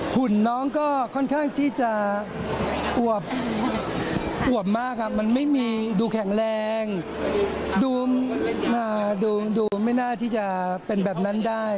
ุ่นน้องก็ค่อนข้างที่จะอวบมากครับมันไม่มีดูแข็งแรงดูไม่น่าที่จะเป็นแบบนั้นได้